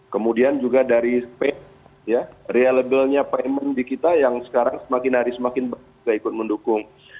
kemudian juga dari realebelnya payment di kita yang sekarang semakin hari semakin banyak yang ikut mendukung